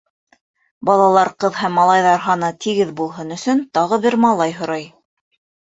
— Балалар ҡыҙ һәм малайҙар һаны тигеҙ булһын өсөн тағы бер малай һорай.